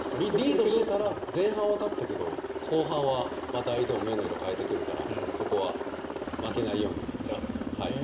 リードしていたら前半は勝ったけど、後半は相手も目の色を変えてくるからそこは負けないように。